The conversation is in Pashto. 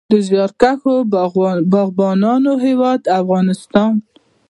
د زیارکښو باغبانانو هیواد افغانستان.